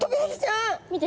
見て。